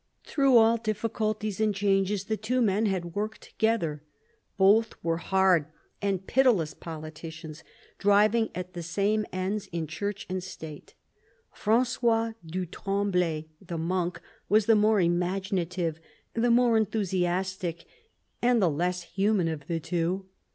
Through all difficulties and changes the two men had worked together. Both were hard and pitiless politicians, driving at the same ends in Church and State. Francois du Tremblay, the monk was the more imaginative, the more enthusiastic, and the less human of the two.